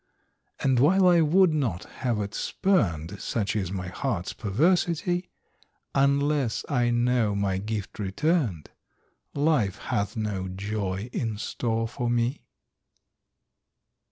And while I would not have it spurned, Such is my heart's perversity, Unless I know my gift returned, Life hath no joy in store for me.